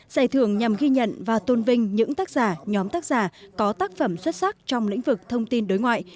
giải thưởng nhằm ghi nhận và tôn vinh những tác giả nhóm tác giả có tác phẩm xuất sắc trong lĩnh vực thông tin đối ngoại